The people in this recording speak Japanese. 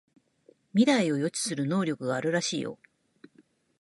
未来を予知する能力があるらしいよ